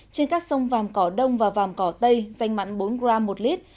trên các sông vàm cỏ đông và vàm cỏ tây danh mặn bốn gram một lít